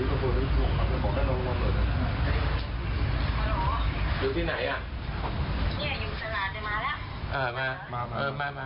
เออมาเออมามามา